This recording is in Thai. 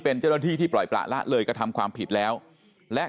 เป็นเจ้าหน้าที่ที่ปล่อยประละเลยกระทำความผิดแล้วและ